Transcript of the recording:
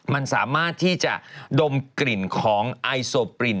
มันสามารถที่จะดมกลิ่นของไอโซปริน